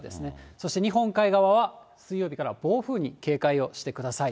そして、日本海側は水曜日から暴風に警戒をしてください。